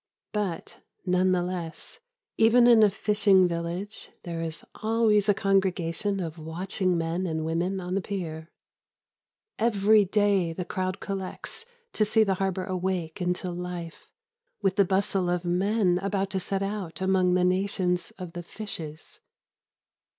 But, none the less, even in a fishing village there is always a congregation of watching men and women on the pier. Every day the crowd collects to see the harbour awake into life with the bustle of men about to set out among the nations of the fishes.